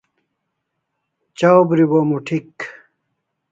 Chaw bribo muti'hik